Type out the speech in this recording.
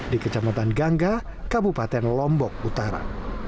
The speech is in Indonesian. di kecamatan gangga kabupaten lombok utara